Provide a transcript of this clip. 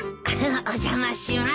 お邪魔します。